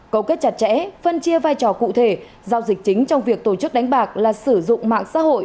cầu kết chặt chẽ phân chia vai trò cụ thể giao dịch chính trong việc tổ chức đánh bạc là sử dụng mạng xã hội